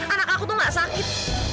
anak aku tuh gak sakit